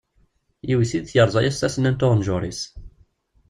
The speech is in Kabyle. Yewwet-it yerẓa-as tasennant n uɣenjuṛ-is.